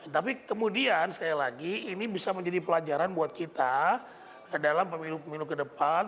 tapi kemudian sekali lagi ini bisa menjadi pelajaran buat kita dalam pemilu pemilu ke depan